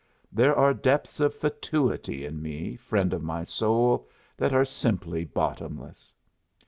There are depths of fatuity in me, friend o' my soul, that are simply bottomless!